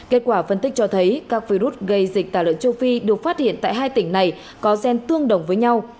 kết quả phân tích cho thấy các virus gây dịch tả lợn châu phi được phát hiện tại hai tỉnh này có gen tương đồng với nhau